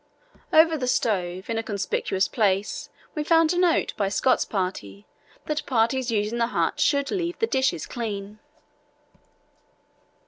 Over the stove in a conspicuous place we found a notice by Scott's party that parties using the hut should leave the dishes clean."